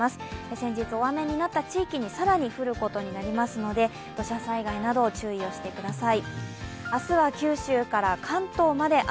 先日、大雨になった地域に更に降ることになりますので土砂災害など注意をしてください。